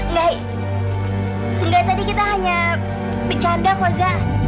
enggak tadi kita hanya bercanda koza